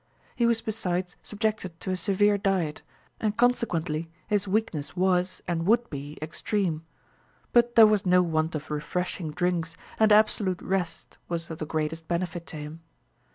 He was besides subjected to a severe diet, and consequently his weakness was and would be extreme; but there was no want of refreshing drinks, and absolute rest was of the greatest benefit to him.